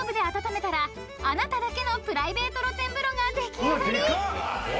［あなただけのプライベート露天風呂が出来上がり！］